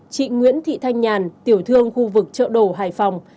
chị nguyễn thị thanh nhàn tiểu thương khu vực chợ đồ hải phòng